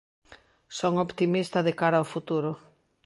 Son optimista de cara ao futuro.